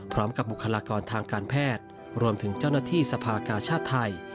บุคลากรทางการแพทย์รวมถึงเจ้าหน้าที่สภากาชาติไทย